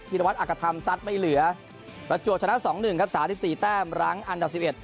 ฮินวัฒน์อักษรธรรมสัดไม่เหลือประจวบชนะสองหนึ่งครับ๑๓ตั้งหลังอันดับสิบเอ็ด